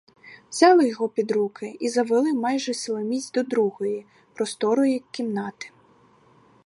Взяли його під руки і завели майже силоміць до другої, просторої кімнати.